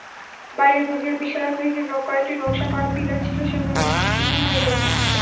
বাইরে দুর্গের বিশালাকৃতির কয়েকটি নকশা করা পিলার ছিল, সেগুলো নিশ্চিহ্ন হয়ে গেছে।